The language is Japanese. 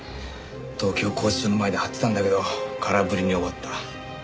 東京拘置所の前で張ってたんだけど空振りに終わった。